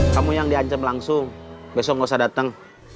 kamu yang dihancam langsung besok gak usah dateng